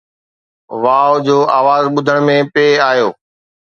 واءُ جو آواز ٻڌڻ ۾ پئي آيو